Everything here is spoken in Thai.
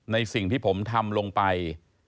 ในสิ่งที่ผมทำลงไป